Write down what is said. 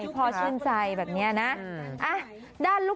พ่อชื่นใจแบบนี้นะ